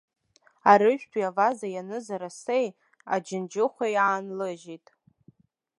Арыжәтәи аваза ианыз арасеи, аџьынџьыхәеи аанлыжьит.